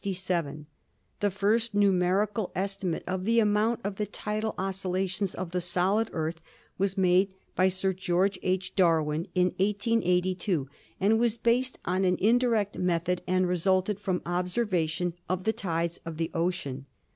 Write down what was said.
The first numerical estimate of the amount of the tidal oscillations of the solid Earth was made by Sir George H. Darwin in 1882 and was based on an indirect method and resulted from observation of the tides of the ocean.